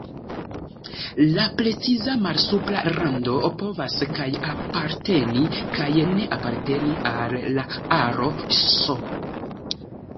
La preciza malsupra rando povas kaj aparteni kaj ne aparteni al la aro "S".